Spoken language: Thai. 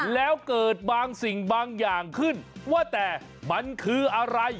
แล้วเกิดบางสิ่งบางอย่างขึ้นว่าแต่มันคืออะไร